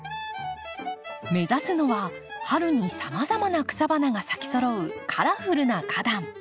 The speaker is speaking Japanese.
目指すのは春にさまざまな草花が咲きそろうカラフルな花壇。